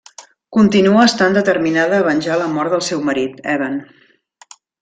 Continua estant determinada a venjar la mort del seu marit, Eben.